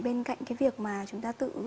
bên cạnh cái việc mà chúng ta tự